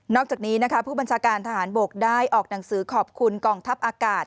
อกจากนี้นะคะผู้บัญชาการทหารบกได้ออกหนังสือขอบคุณกองทัพอากาศ